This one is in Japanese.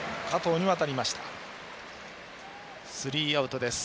スリーアウトです。